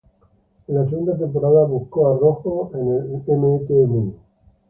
En la segunda temporada buscó a Rojo en el Mt. Moon.